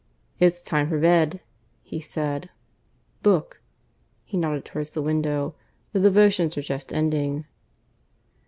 "It's time for bed," he said. "Look" (he nodded towards the window), "the devotions are just ending."